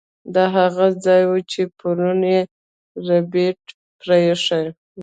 دا هغه ځای و چې پرون یې ربیټ پریښی و